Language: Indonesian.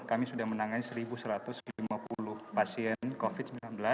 kami sudah menangani satu satu ratus lima puluh pasien covid sembilan belas